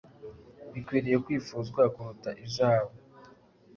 Bikwiriye kwifuzwa kuruta izahabu